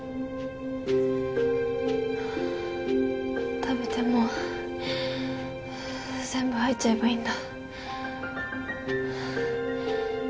食べても全部吐いちゃえばいいんだ。